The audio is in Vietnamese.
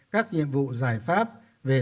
các nhiệm vụ giải pháp về